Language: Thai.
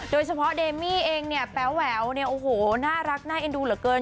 โดยเฉพาะเดมี่เองเนี่ยแป๊วเนี่ยโอ้โหน่ารักน่าเอ็นดูเหลือเกิน